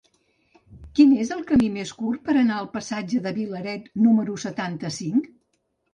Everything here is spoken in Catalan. Quin és el camí més curt per anar al passatge de Vilaret número setanta-cinc?